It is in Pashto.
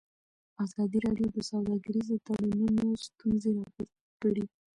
ازادي راډیو د سوداګریز تړونونه ستونزې راپور کړي.